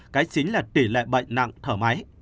cái chính là tỷ lệ bệnh nặng thở máy